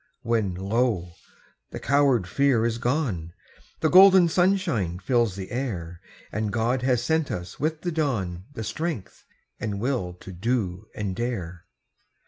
When, lo! the coward fear is gone The golden sunshine fills the air, And God has sent us with the dawn The strength and will to do and dare.